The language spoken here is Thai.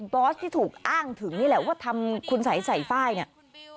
บอสที่ถูกอ้างถึงนี่แหละว่าทำคุณสัยใส่ไฟล์เนี่ย